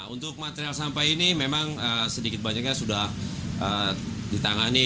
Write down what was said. untuk material sampah ini memang sedikit banyaknya sudah ditangani